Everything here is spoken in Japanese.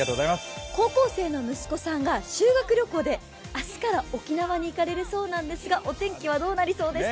高校生の息子さんが修学旅行で明日から沖縄に行かれるそうなんですがお天気はどうなりそうですか？